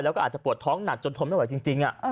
แล้วก็อาจจะปวดท้องหนักจนทนไม่ไหวจริง